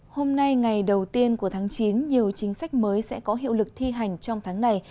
hôm nay ngày đầu tiên của tháng chín nhiều chính sách mới sẽ có hiệu lực thi hành trong tháng này